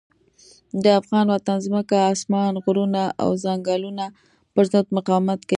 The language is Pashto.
د افغان وطن ځمکه، اسمان، غرونه او ځنګلونه پر ضد مقاومت کوي.